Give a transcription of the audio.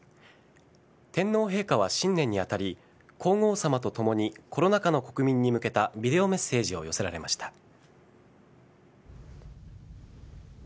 天皇陛下は新年に当たり皇后さまと共にコロナ禍の国民に向けたビデオメッセージを寄せられました。